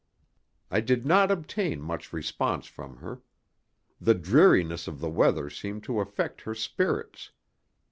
I did not obtain much response from her. The dreariness of the weather seemed to affect her spirits.